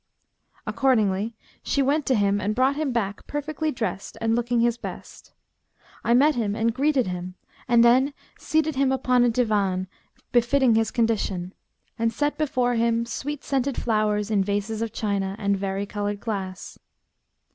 Accordingly she went to him and brought him back perfectly dressed and looking his best. I met him and greeted him and then seated him upon a divan befitting his condition, and set before him sweet scented flowers in vases of china and vari coloured glass.